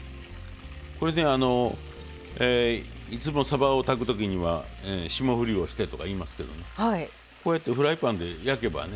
これねいつもさばを炊く時には霜降りをしてとかいいますけどこうやってフライパンで焼けばね